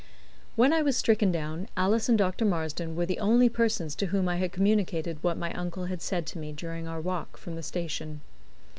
When I was stricken down, Alice and Dr. Marsden were the only persons to whom I had communicated what my uncle had said to me during our walk from the station.